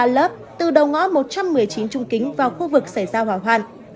ba lớp từ đầu ngõ một trăm một mươi chín trung kính vào khu vực xảy ra hỏa hoạn